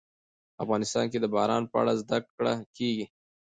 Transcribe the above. افغانستان کې د باران په اړه زده کړه کېږي.